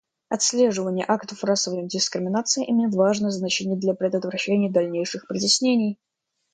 Отслеживание актов расовой дискриминации имеет важное значение для предотвращения дальнейших притеснений.